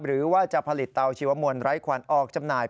หรือว่าจะผลิตเตาชีวมวลไร้ควันออกจำหน่าย